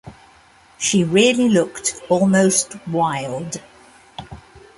She really looked almost wild.